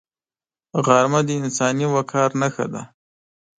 غرمه د انساني وقار نښه ده